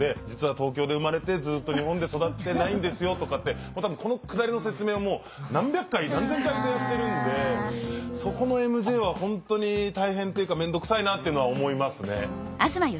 実は東京で生まれてずっと日本で育ってないんですよとかってこのくだりの説明をもう何百回何千回とやってるんでそこのＭＪは本当に大変っていうかめんどくさいなっていうのは思いますね。